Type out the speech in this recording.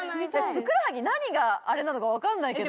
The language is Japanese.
・ふくらはぎ何があれなのか分かんないけど。